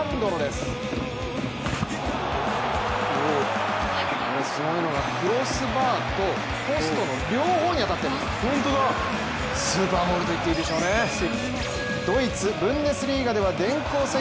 すごいのが、クロスバーとポストの両方に当たってるんです。